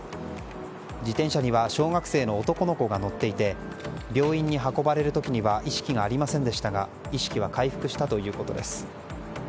自転車には小学生の男の子が乗っていて病院に運ばれる時には意識がありませんでしたが意識は回復したということです。